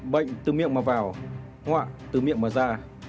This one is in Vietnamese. bệnh từ miệng mà vào họa từ miệng mà ra